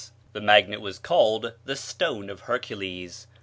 The magnet was called the "Stone of Hercules."